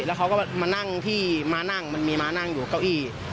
แล้วเขาก็มานั่งที่มานั่งมันมีมานั่งอยู่เก้าอี้